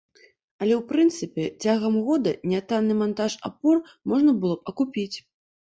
Але, у прынцыпе, цягам года нятанны мантаж апор можна было б акупіць.